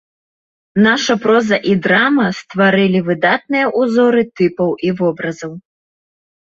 Наша проза і драма стварылі выдатныя ўзоры тыпаў і вобразаў.